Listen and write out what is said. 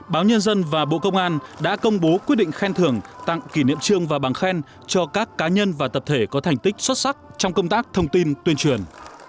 cơ quan đã công bố quyết định khen thưởng tặng kỷ niệm trương và bằng khen cho các cá nhân và tập thể có thành tích xuất sắc trong công tác thông tin tuyên truyền